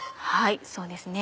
そうですね。